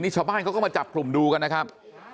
ชาวบ้านเขาก็มาจับกลุ่มดูกันนะครับ